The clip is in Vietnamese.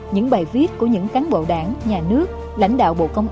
những bài viết của những cán bộ đảng nhà nước lãnh đạo bộ công an